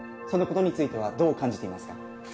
その事についてはどう感じていますか？